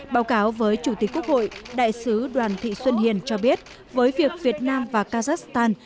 báo cáo với chủ tịch quốc hội đại sứ đoàn thị xuân hiền cho biết với việc việt nam và kazakhstan